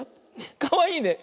かわいいね。